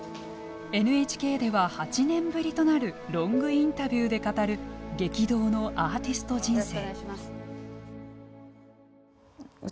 ＮＨＫでは８年ぶりとなるロングインタビューで語る激動のアーティスト人生。